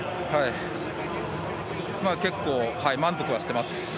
結構、満足はしてます。